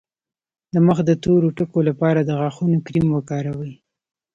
د مخ د تور ټکو لپاره د غاښونو کریم وکاروئ